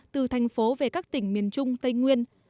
từ thành phố về các tỉnh miền trung tây nguyên